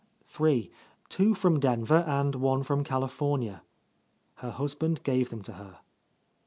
"Three. Two from Denver and one from California." Her husband gave them to her.